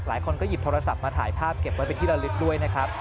หลายคนก็หยิบโทรศัพท์มาถ่ายภาพเก็บไว้เป็นที่ละลึกด้วยนะครับ